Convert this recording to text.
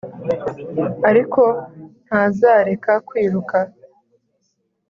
ariko ntazareka kwiruka.